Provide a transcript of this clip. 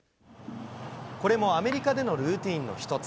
これもアメリカでのルーティーンの一つ。